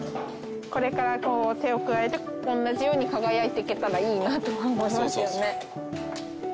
これから手を加えて同じように輝いていけたらいいなとは思いますよね。